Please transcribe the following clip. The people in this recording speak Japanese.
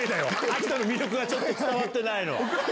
秋田の魅力がちゃんと伝わってないの。